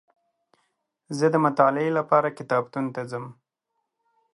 زه دمطالعې لپاره کتابتون ته ځم